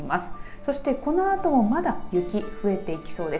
そして、このあともまだ雪、増えていきそうです。